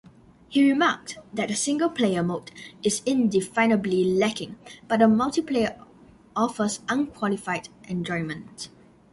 He remarked the single-player mode is indefinably "lacking" but the multiplayer offers unqualified enjoyment.